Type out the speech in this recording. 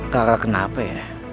rara kenapa ya